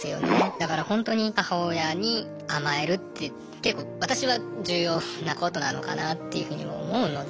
だからほんとに母親に甘えるって結構私は重要なことなのかなっていうふうに思うので。